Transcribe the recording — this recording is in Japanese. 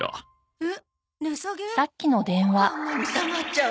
えっ？